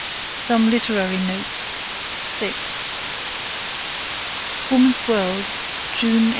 SOME LITERARY NOTES VI (Woman's World, June 1889.)